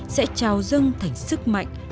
sẽ trao dân thành sức mạnh